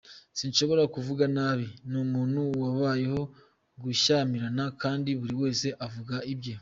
Nsinshobora kuvugana n’abi n’umuntu habayeho gushyamirana kandi buri wese avuga ibye.